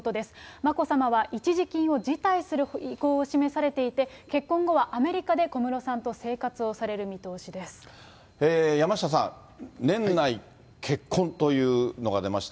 眞子さまは一時金を辞退する意向を示されていて、結婚後は、アメリカで小室さんと山下さん、年内結婚というのが出ました。